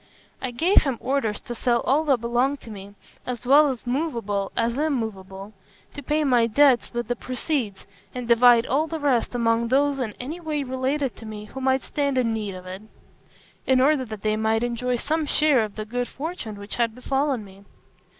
I gave him orders to sell all that belonged to me, as well movable as immovable to pay my debts with the proceeds, and divide all the rest among those in any way related to me who might stand in need of it, in order that they might enjoy some share of the good fortune which had befallen me.